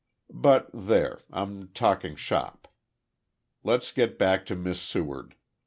But, there. I'm talking `shop.' Let's get back to Miss Seward.